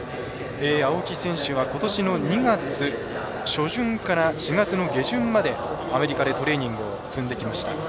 青木選手はことしの２月初旬から４月の下旬まで、アメリカでトレーニングを積んできました。